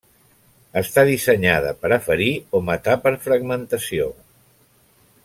Està dissenyada per a ferir o matar per fragmentació.